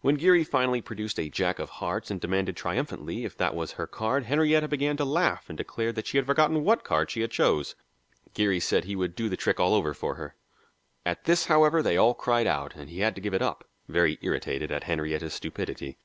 When Geary finally produced a jack of hearts and demanded triumphantly if that was her card, Henrietta began to laugh and declared she had forgotten what card she chose. Geary said he would do the trick all over for her. At this, however, they all cried out, and he had to give it up, very irritated at Henrietta's stupidity.